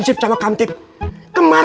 sebuah rumah emang